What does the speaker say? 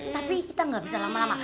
tapi kita nggak bisa lama lama